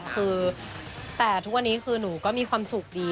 คือแต่ทุกวันนี้คือหนูก็มีความสุขดี